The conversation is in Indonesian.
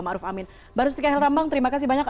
maruf amin baru setiap hari rambang terima kasih banyak